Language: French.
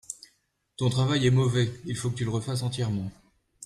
Ton travail est mauvais, il faut que tu le refasse entièrement.